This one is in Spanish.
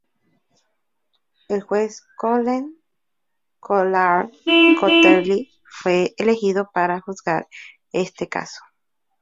El juez Colleen Kollar-Kotelly fue elegido para juzgar este caso.